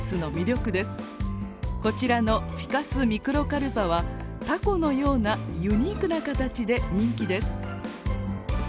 こちらの「フィカス・ミクロカルパ」はタコのようなユニークな形で人気です。